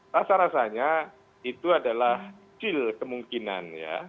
rasa rasanya itu adalah kemungkinan